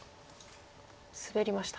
スベりました。